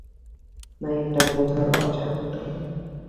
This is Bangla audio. না, এটা বুঝার অসাধ্য!